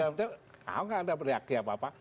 nah nggak ada reaksi apa apa